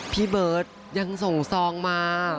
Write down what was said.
พี่เบิร์ตยังส่งซองมา